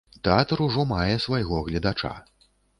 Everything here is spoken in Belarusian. Тэатр ужо мае свайго гледача.